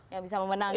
yang bisa memenangkan